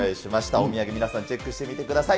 お土産、皆さんチェックしてみてください。